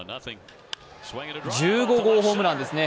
１５号ホームランですね。